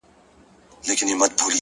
پرمختګ د صبر او هڅې ګډه مېوه ده.!